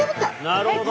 なるほど。